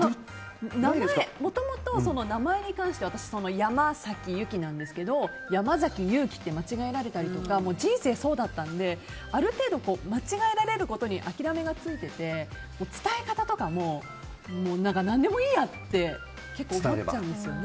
もともと名前に関しては山崎夕貴なんですけどやまざきゆうきって間違えられたりとか人生そうだったのである程度、間違えられることに諦めがついていて伝え方とかも何でもいいやって結構思っちゃうんですよね。